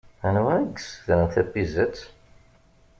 Anwa i yessutren tapizzat?